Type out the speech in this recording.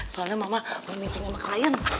soalnya mama ada meeting sama klien